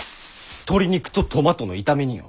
鶏肉とトマトの炒め煮よ！